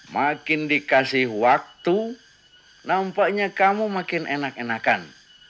makin dikasih waktu nampaknya kamu makin enak enakan